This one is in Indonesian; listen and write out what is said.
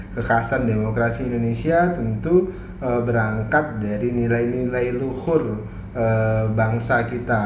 kekerasan demokrasi indonesia tentu berangkat dari nilai nilai luhur bangsa kita